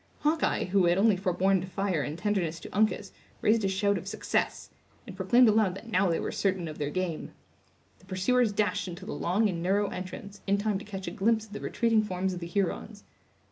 Hawkeye, who had only forborne to fire in tenderness to Uncas, raised a shout of success, and proclaimed aloud that now they were certain of their game. The pursuers dashed into the long and narrow entrance, in time to catch a glimpse of the retreating forms of the Hurons.